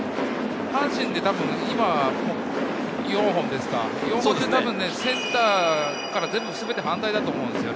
阪神で、たぶん今４本ですか、センターから全て反対だと思うんですよ。